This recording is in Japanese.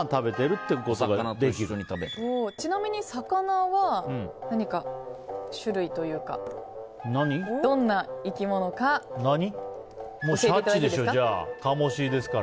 ちなみに魚は何か種類というかどんな生き物か教えていただいてもいいですか。